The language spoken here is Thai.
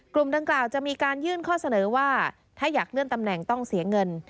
กลุ่มดังกล่าวจะมีการยื่นข้อเสนอว่าถ้าอยากเลื่อนตำแหน่งต้องเสียเงิน